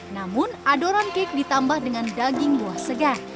namun adonan cake ditambah dengan daging buah segar